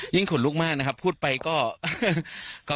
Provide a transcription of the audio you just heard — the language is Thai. ขนลุกมากนะครับพูดไปก็